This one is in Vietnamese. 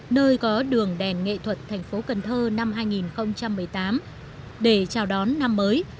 nơi có đường đèn nghệ thuật thành phố cần thơ năm hai nghìn một mươi tám để chào đón năm mới